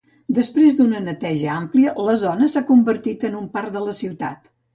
Després d'una neteja àmplia, la zona s'ha convertit en un parc de la ciutat.